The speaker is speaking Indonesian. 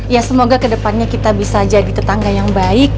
ya semoga kedepannya kita bisa jadi tetangga yang baik